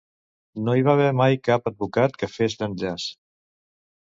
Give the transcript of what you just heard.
No hi va haver mai cap advocat que fes d'enllaç.